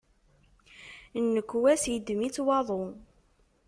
Nnekwa-s iddem-itt waḍu.